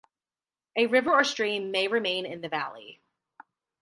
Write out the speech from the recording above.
A river or stream may remain in the valley.